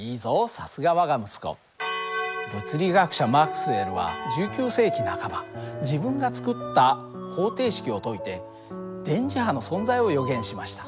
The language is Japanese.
さすが我が息子。物理学者マクスウェルは１９世紀半ば自分が作った方程式を解いて電磁波の存在を予言しました。